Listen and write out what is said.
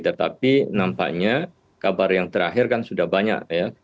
tetapi nampaknya kabar yang terakhir kan sudah banyak ya